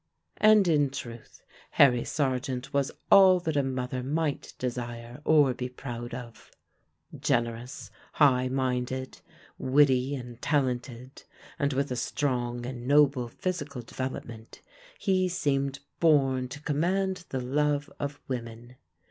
And, in truth, Harry Sargeant was all that a mother might desire or be proud of. Generous, high minded, witty, and talented, and with a strong and noble physical development, he seemed born to command the love of women.